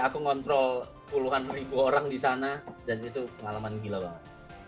aku ngontrol puluhan ribu orang di sana dan itu pengalaman gila banget